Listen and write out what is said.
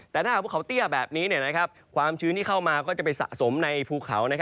แต่ถ้าหากภูเขาเตี้ยแบบนี้ความชื้นที่เข้ามาก็จะไปสะสมในภูเขา